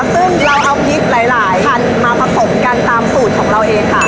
ซึ่งเราเอาพริกหลายพันธุ์มาผสมกันตามสูตรของเราเองค่ะ